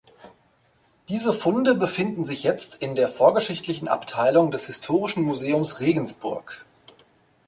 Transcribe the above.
Diese Funde befinden sich jetzt in der vorgeschichtlichen Abteilung des Historischen Museums Regensburg.